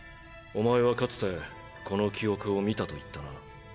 お前はかつてこの記憶を見たと言ったな。